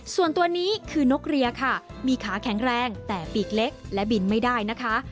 ส่วนตัวนี้คือนกเรียค่ะมีขาแข็งแรงแต่ปีกเล็กและบินไม่ได้นะคะ